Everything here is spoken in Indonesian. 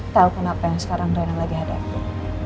tau kenapa yang sekarang rena lagi hadapi